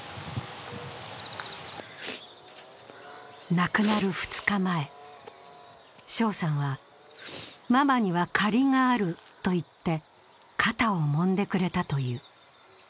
亡くなる２日前、翔さんはママには借りがあると言って肩をもんでくれたという。